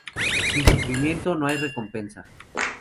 Sin sufrimiento no hay recompensa